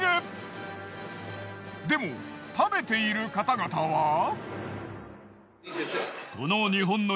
でも食べている方々は。